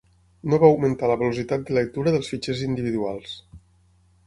No va augmentar la velocitat de lectura dels fitxers individuals.